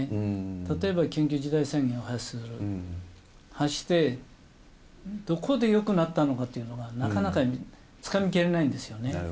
例えば、緊急事態宣言を発して、どこでよくなったのかというのが、なかなかつかみきれないんですよね。